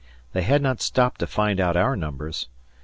They had not stopped to find out our numbers.